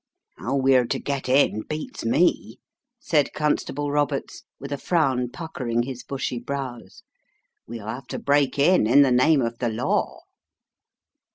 "How we're to get in beats me," said Constable Roberts with a frown puckering his bushy brows. " We'll have to break in, in the name of the law."